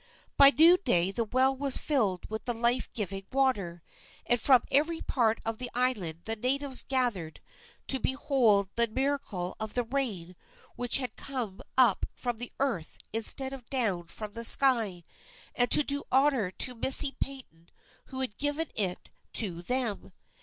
By noonday the well was filled with the life giving water, and from every part of the island the natives gathered to behold the miracle of the rain which had come up from the earth instead of down from the sky, and to do honor to Missi Paton who had given it to them.